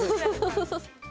そうそう。